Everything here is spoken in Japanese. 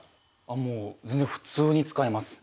もう全然普通に使います。